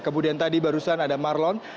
kemudian tadi barusan ada marlon